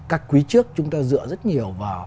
các quý trước chúng ta dựa rất nhiều